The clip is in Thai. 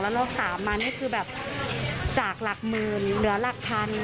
แล้วเราสามมานี่คือแบบจากหลักหมื่นเหลือหลักพัน